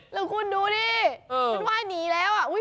แล้วคุณดูดิมันว่ายหนีแล้วอ่ะ